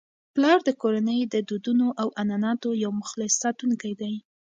پلار د کورنی د دودونو او عنعناتو یو مخلص ساتونکی دی.